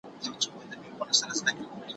زه به د ژبي تمرين کړی وي!